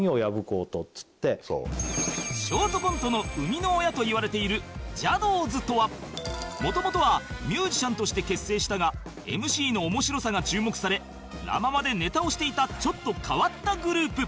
ショートコントの生みの親といわれているジャドーズとはもともとはミュージシャンとして結成したが ＭＣ の面白さが注目されラ・ママでネタをしていたちょっと変わったグループ